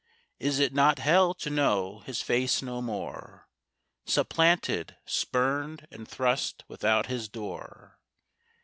Is it not hell to know his face no more, Supplanted, spurned and thrust without his door.